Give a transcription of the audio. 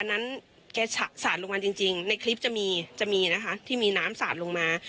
นั้นแกสาดลงมาจริงในคลิปจะมีจะมีนะคะที่มีน้ำสาดลงมา